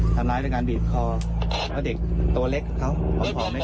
ทำล้ายด้วยการบีบคอแล้วเด็กตัวเล็กเขาเอาคอเล็กเล็ก